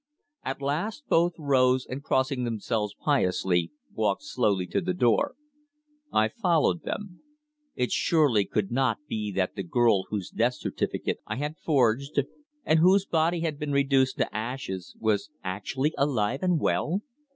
At last both rose and crossing themselves piously, walked slowly to the door. I followed them. It surely could not be that the girl whose death certificate I had forged, and whose body had been reduced to ashes, was actually alive and well!